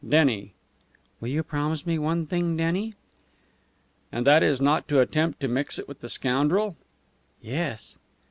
"Denny." "Will you promise me one thing, Denny?" "And that is not to attempt to mix it with the scoundrel?" "Yes."